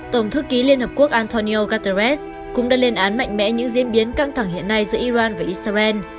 tổng thư ký liên hợp quốc antonio guterres cũng đã lên án mạnh mẽ những diễn biến căng thẳng hiện nay giữa iran và israel